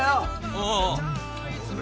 ああ！